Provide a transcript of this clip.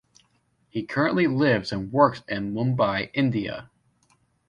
He currently lives and works in Mumbai, India.